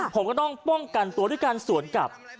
ผมก็ต้องป้องกันตัวด้วยการสวนกลับ